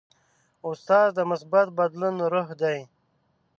استاد د مثبت بدلون روح دی.